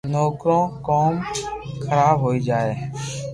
نو ڪرو ڪوم حراب ھوئي جائي